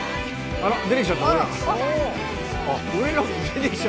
俺らも出てきちゃった。